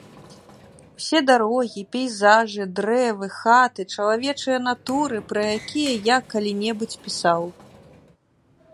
Усе дарогі, пейзажы, дрэвы, хаты, чалавечыя натуры, пра якія я калі-небудзь пісаў.